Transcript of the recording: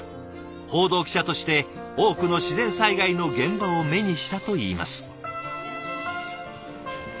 報道記者として多くの自然災害の現場を目にしたといいます。